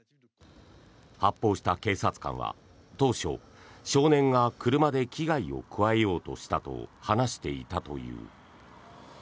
発砲した警察官は当初、少年が車で危害を加えようとしたと話していたという。